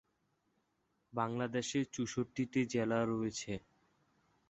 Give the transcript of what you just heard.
মুম্বাইয়ে তিনি and TV চ্যানেলের ধারাবাহিকের কুইন্স হ্যায় হাম দিয়ে টেলিভিশনে অভিষেক করেন।